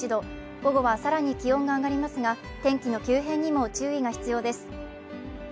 午後はさらに気温が上がりますが、天気の急変にも注意が必要です。